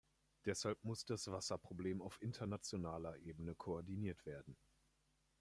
Deshalb muss das Wasserproblem auf internationaler Ebene koordiniert werden.